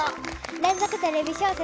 連続テレビ小説